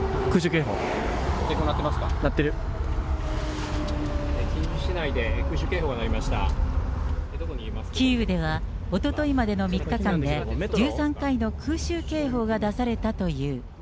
キーウ市内で空襲警報が鳴りキーウではおとといまでの３日間で、１３回の空襲警報が出されたという。